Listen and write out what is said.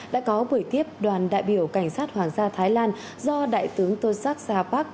đã có buổi tiếp đoàn đại biểu cảnh sát hoàng gia thái lan do đại tướng tô sắc sa bắc